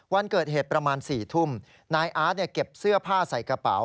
วันเกิดเหตุประมาณ๔ทุ่มนายอาร์ตเก็บเสื้อผ้าใส่กระเป๋า